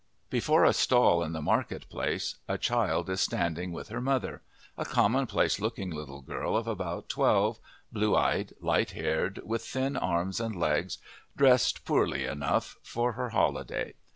Before a stall in the market place a child is standing with her mother a commonplace looking, little girl of about twelve, blue eyed, light haired, with thin arms and legs, dressed, poorly enough, for her holiday.